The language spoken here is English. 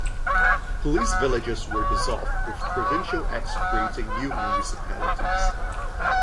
Police villages were dissolved with provincial acts creating new municipalities.